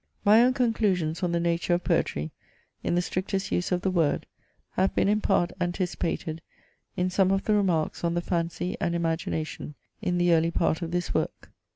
My own conclusions on the nature of poetry, in the strictest use of the word, have been in part anticipated in some of the remarks on the Fancy and Imagination in the early part of this work.